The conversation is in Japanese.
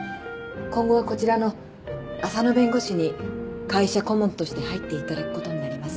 今後はこちらの浅野弁護士に会社顧問として入っていただくことになります。